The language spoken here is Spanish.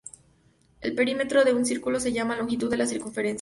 El perímetro de un círculo se llama longitud de la circunferencia.